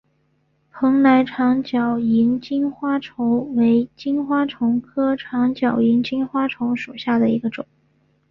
蓬莱长脚萤金花虫为金花虫科长脚萤金花虫属下的一个种。